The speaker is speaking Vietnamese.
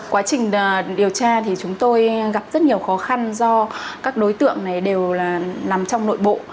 quá trình điều tra thì chúng tôi gặp rất nhiều khó khăn do các đối tượng này đều nằm trong nội bộ